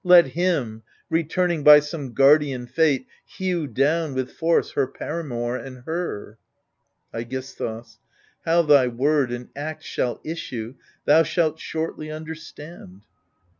Let him, returning by some guardian fate. Hew down with force her paramour and her 1 iEGISTHUS How thy word and act shall issue, thou shalt shortly understand.